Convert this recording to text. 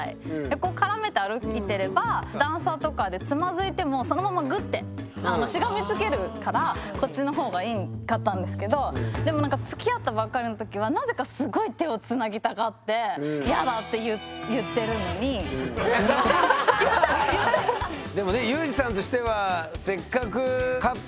こう絡めて歩いてれば段差とかでつまずいてもそのままグッてしがみつけるからこっちの方がいいかったんですけどでもつきあったばっかりの時はなぜかすごい手をつなぎたがってでもね裕士さんとしてはせっかくカップルになったからね。